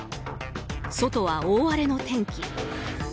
外は大荒れの天気。